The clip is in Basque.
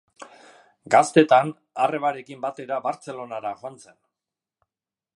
Gaztetan, arrebarekin batera Bartzelonara joan zen.